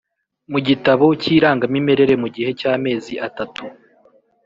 Mu gitabo cy Irangamimerere mu gihe cy amezi atatu